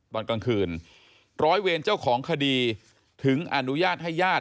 ตอนกลางคืนร้อยเวรเจ้าของคดีถึงอนุญาตให้ญาติ